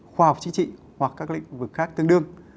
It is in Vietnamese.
khoa học chính trị hoặc các lĩnh vực khác tương đương